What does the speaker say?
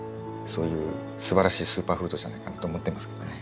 そういうすばらしいスーパーフードじゃないかなと思ってますけどね